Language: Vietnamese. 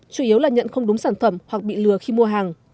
chủ yếu là nhận không đúng sản phẩm hoặc bị lừa khi mua hàng